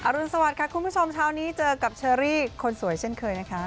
รุนสวัสดิค่ะคุณผู้ชมเช้านี้เจอกับเชอรี่คนสวยเช่นเคยนะคะ